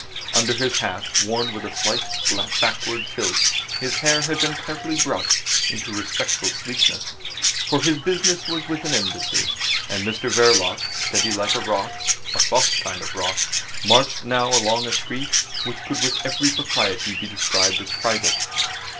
Under his hat, worn with a slight backward tilt, his hair had been carefully brushed into respectful sleekness; for his business was with an Embassy. And Mr Verloc, steady like a rock—a soft kind of rock—marched now along a street which could with every propriety be described as private.